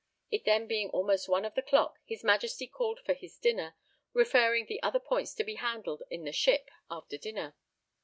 It then being almost one of the clock, his Majesty called for his dinner, referring the other points to be handled in the ship, after dinner.